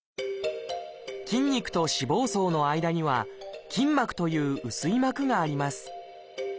筋肉と脂肪層の間には「筋膜」という薄い膜があります。